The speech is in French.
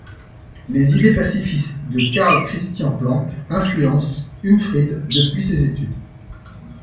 Les idées pacifistes de Karl Christian Planck influencent Umfrid depuis ses études.